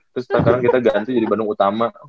terus sekarang kita ganti jadi bandung utama